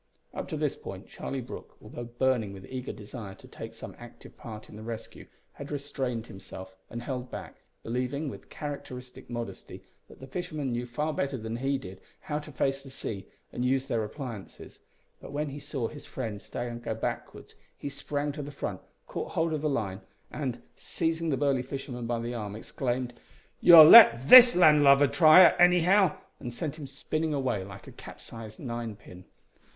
Up to this point Charlie Brooke, although burning with eager desire to take some active part in the rescue, had restrained himself and held back, believing, with characteristic modesty, that the fishermen knew far better than he did how to face the sea and use their appliances; but when he saw his friend stagger backward, he sprang to the front, caught hold of the line, and, seizing the burly fisherman by the arm, exclaimed, "You'll let this land lubber try it, anyhow," and sent him spinning away like a capsized nine pin.